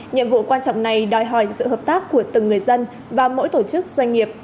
nhiệm vụ quan trọng này đòi hỏi sự hợp tác của từng người dân và mỗi tổ chức doanh nghiệp